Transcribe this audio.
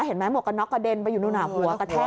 เห็นไหมหมวกกระน็อกกระเด็นไปอยู่ตรงหน้าหัวกระแทก